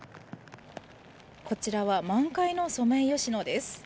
こちらは満開のソメイヨシノです。